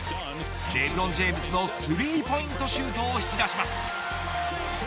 レブロン・ジェームスのスリーポイントシュートを引き出します。